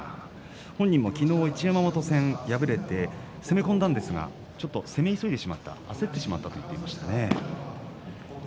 本人も昨日、一山本戦敗れて、攻め込んだんですがちょっと攻め急いでしまった焦ってしまったと言っていましたね。